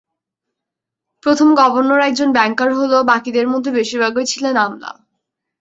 প্রথম গভর্নর একজন ব্যাংকার হলেও বাকিদের মধ্যে বেশির ভাগই ছিলেন আমলা।